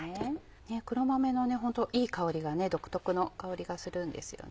黒豆のホントいい香りが独特の香りがするんですよね。